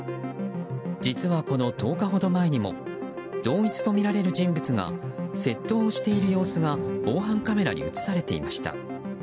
実はこの１０日ほど前にも同一とみられる人物が窃盗をしている様子が防犯カメラに映されていました。